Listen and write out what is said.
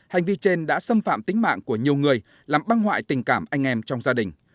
hành vi trên đã xâm phạm tính mạng của nhiều người làm băng hoại tình cảm anh em trong gia đình